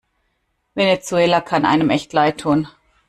Venezuela kann einem echt leidtun.